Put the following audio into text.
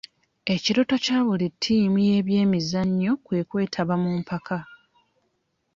Ekirooto kya buli ttiimu y'ebyemizannyo kwe kwetaba mu mpaka.